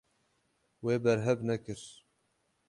Wê berhev nekir.